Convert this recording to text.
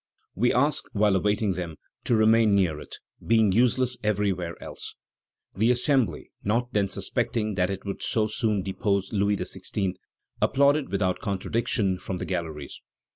We ask, while awaiting them, to remain near it, being useless everywhere else." The Assembly, not then suspecting that it would so soon depose Louis XVI., applauded without contradiction from the galleries.